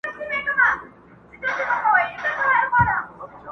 حقيقت د وخت په تېرېدو کم نه کيږي